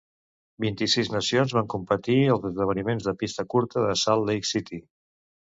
Vint-i-sis nacions van competir als esdeveniments de pista curta de Salt Lake City.